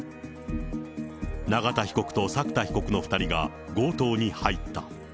永田被告と作田被告の２人が強盗に入った。